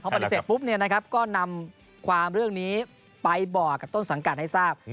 พอปฏิเสธปุ๊บนี่นะครับก็นำความเรื่องนี้ไปบอกกับต้นสังการให้ทราบ